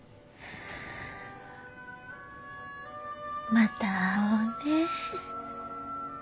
また会おうね。